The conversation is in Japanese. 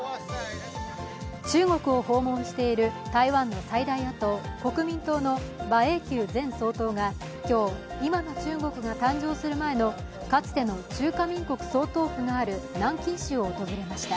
中国を訪問している台湾の最大野党・国民党の馬英九前総統が今日今の中国が誕生する前のかつての中華民国総統府がある南京市を訪れました。